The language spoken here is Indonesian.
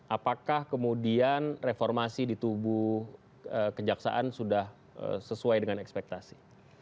apakah kemudian reformasi di tubuh kejaksaan sudah sesuai dengan ekspektasi